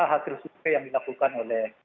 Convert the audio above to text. hasil survei yang dilakukan oleh